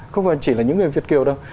không chỉ là những người việt kiều đâu